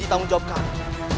dan tanggung jawab kami